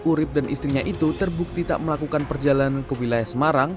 urib dan istrinya itu terbukti tak melakukan perjalanan ke wilayah semarang